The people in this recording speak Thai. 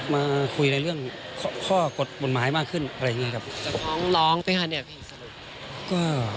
มาคุยเรื่องข้อกฎบทหมายมากขึ้นอะไรนี้กับร้องไปหาเนี่ย